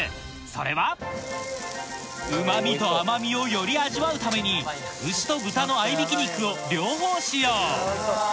それはうまみと甘みをより味わうために牛と豚の合いびき肉を両方使用